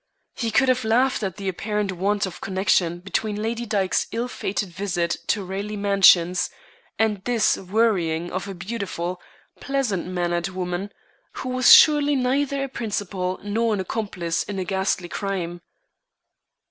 He could have laughed at the apparent want of connection between Lady Dyke's ill fated visit to Raleigh Mansions and this worrying of a beautiful, pleasant mannered woman, who was surely neither a principal nor an accomplice in a ghastly crime.